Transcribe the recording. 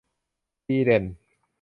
ดีเด่น